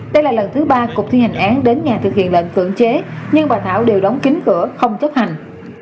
đây là lần thứ ba cục thi hành án đến nhà thực hiện lệnh cưỡng chế nhưng bà thảo đều đóng kính cửa không chấp hành